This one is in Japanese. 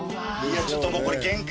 ちょっともうこれ。